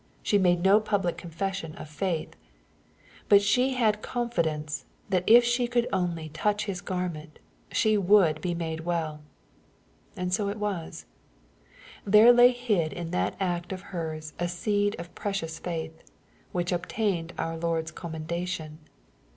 She made no public confession of faith. MATTHEW, CHAP. IX. 89 Bat she had confidence, that if she could only " touch His gannent/' she would be made well. And so it was. There lay hid in that act of her's a seed of precious faith, which obtained our Lord's commendation.